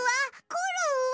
コロンは？